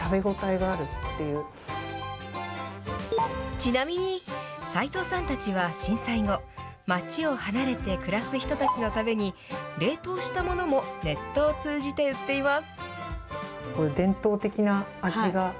ちなみに、斎藤さんたちは震災後、町を離れて暮らす人たちのために、冷凍したものもネットを通じて売っています。